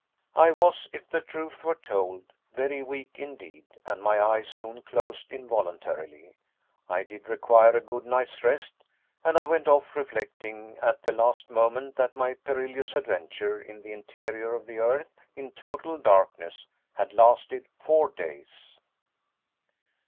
I was, if the truth were told, very weak indeed, and my eyes soon closed involuntarily. I did require a good night's rest, and I went off reflecting at the last moment that my perilous adventure in the interior of the earth, in total darkness, had lasted four days!